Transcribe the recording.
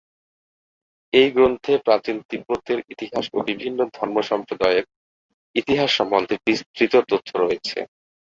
এই গ্রন্থে প্রাচীন তিব্বতের ইতিহাস ও বিভিন্ন ধর্মসম্প্রদায়ের ইতিহাস সম্বন্ধে বিস্তৃত তথ্য রয়েছে।